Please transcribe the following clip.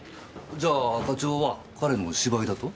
じゃあ課長は彼の芝居だと？